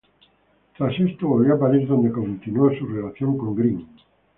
Tras esto, volvió a París, donde continuó su relación con Grimm.